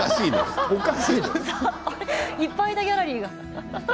いっぱいいたギャラリーが。